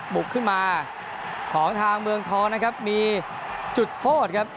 บุกขึ้นมาของทางเมืองทองนะครับมีจุดโทษครับ